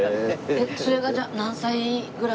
えっそれがじゃあ何歳ぐらいの？